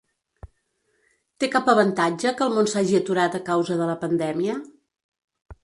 Té cap avantatge que el món s’hagi aturat a causa de la pandèmia?